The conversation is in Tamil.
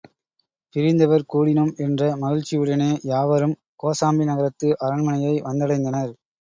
பிரிந்தவர் கூடினோம் என்ற மகிழ்ச்சியுடனே யாவரும் கோசாம்பி நகரத்து அரண்மனையை வந்தடைந்தனர்.